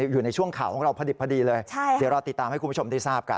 อยู่ในช่วงข่าวของเราพอดิบพอดีเลยเดี๋ยวเราติดตามให้คุณผู้ชมได้ทราบกัน